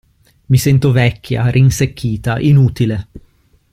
Mi sento vecchia, rinsecchita, inutile.